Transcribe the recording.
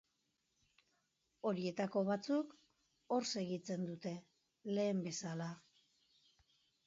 Horietako batzuk, hor segitzen dute, lehen bezala.